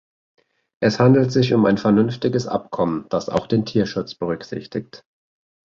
Es handelt sich um ein vernünftiges Abkommen, das auch den Tierschutz berücksichtigt.